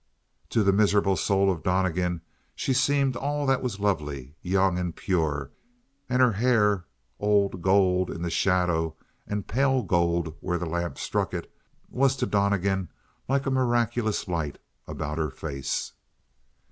To the miserable soul of Donnegan she seemed all that was lovely, young, and pure; and her hair, old gold in the shadow and pale gold where the lamp struck it, was to Donnegan like a miraculous light about her face.